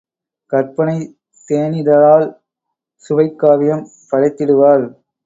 கற்பனைத் தேனிதழாள் சுவைக் காவியம் படைதிடுவாள்